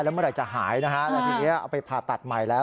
เมื่อไหร่จะหายนะฮะแล้วทีนี้เอาไปผ่าตัดใหม่แล้ว